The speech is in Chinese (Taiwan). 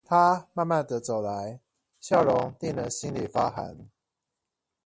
它慢慢地走來，笑容令人心裡發寒